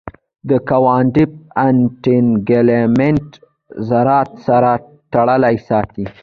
د کوانټم انټنګلمنټ ذرات سره تړلي ساتي.